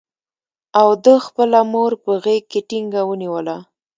او ده خپله مور په غېږ کې ټینګه ونیوله.